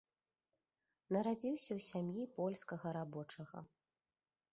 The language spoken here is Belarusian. Нарадзіўся ў сям'і польскага рабочага.